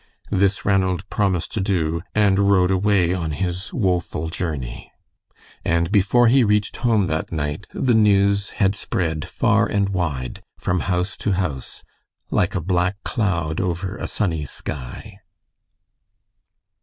This Ranald promised to do, and rode away on his woeful journey; and before he reached home that night, the news had spread far and wide, from house to house, like a black cloud over a sunny sky.